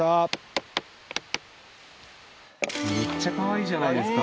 めっちゃかわいいじゃないですか。